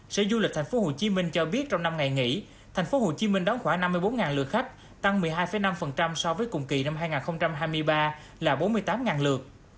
sở du lịch thành phố hồ chí minh cho biết trong năm ngày nghỉ thành phố hồ chí minh đón khỏa năm mươi bốn lượt khách tăng một mươi hai năm so với cùng kỳ năm hai nghìn hai mươi ba là bốn mươi tám lượt